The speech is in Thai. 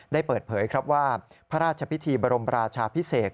ได้เปิดเผยครับว่าพระราชพิธีบรมราชาพิเศษ